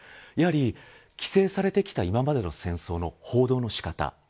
やはり規制されてきた今までの戦争の報道の仕方。